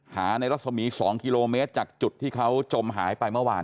หาในรัศมี๒กิโลเมตรจากจุดที่เขาจมหายไปเมื่อวาน